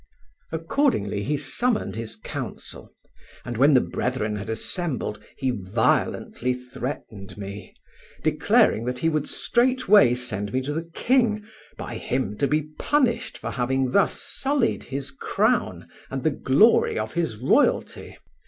Accordingly he summoned his council, and when the brethren had assembled he violently threatened me, declaring that he would straightway send me to the king, by him to be punished for having thus sullied his crown and the glory of his royalty.